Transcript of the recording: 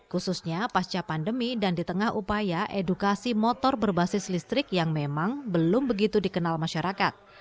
khususnya pasca pandemi dan di tengah upaya edukasi motor berbasis listrik yang memang belum begitu dikenal masyarakat